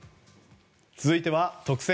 続いては特選！！